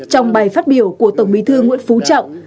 trong bài phát biểu của tổng bí thư nguyễn phú trọng